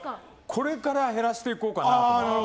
これから減らしていこうかなと。